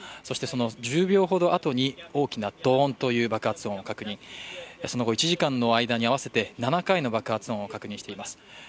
そしてその１０秒ほどあとに大きなドーンという爆発音を確認、その後１時間に合わせて７回の爆発音を確認しています。